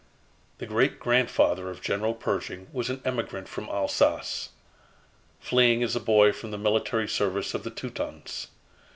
The great grandfather of General Pershing was an emigrant from Alsace fleeing as a boy from the military service of the Teutons.